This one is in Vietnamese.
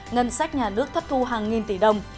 ngân sách nhà nước thất thu hàng nghìn tỷ đồng